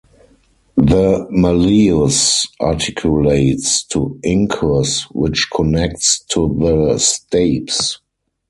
The malleus articulates to incus which connects to the stapes.